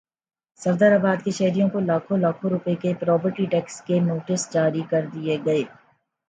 صفدرآباد کے شہریوں کو لاکھوں لاکھوں روپے کے پراپرٹی ٹیکس کے نوٹس جاری کردیئے گئے